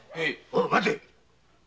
待て！